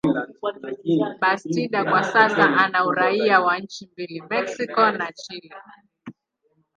Bastida kwa sasa ana uraia wa nchi mbili, Mexico na Chile.